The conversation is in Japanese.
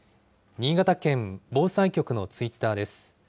新潟県防災局のツイッターです。